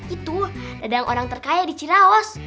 itu dadang orang terkaya di ciraos